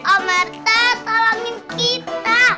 amerta tolongin kita